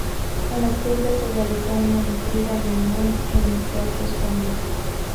En octubre se realizó una nutrida reunión en el Teatro Español.